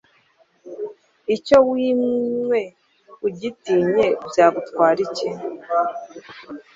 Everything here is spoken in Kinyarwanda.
icyo wimwe ugitinye byagutwara iki